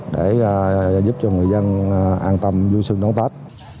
đạt hiệu quả cao nhất